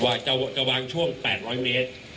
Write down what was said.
คุณผู้ชมไปฟังผู้ว่ารัฐกาลจังหวัดเชียงรายแถลงตอนนี้ค่ะ